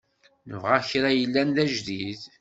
Nebɣa kra i yellan d ajdid.